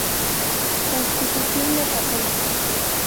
Constitución de Japón.